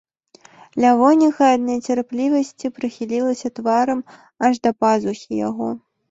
Лявоніха ад нецярплівасці прыхілілася тварам аж да пазухі яго.